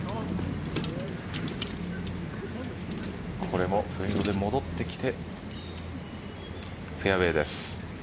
これもフェードで戻ってきてフェアウェイです。